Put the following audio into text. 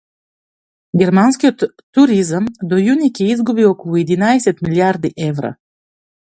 Германскиот туризам до јуни ќе изгуби околу единаесет милијарди евра